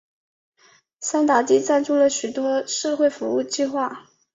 山达基赞助了多种社会服务计画。